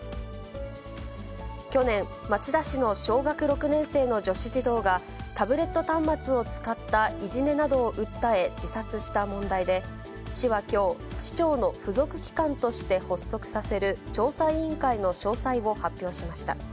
去年、町田市の小学６年生の女子児童が、タブレット端末を使ったいじめなどを訴え自殺した問題で、市はきょう、市長の付属機関として発足させる調査委員会の詳細を発表しました。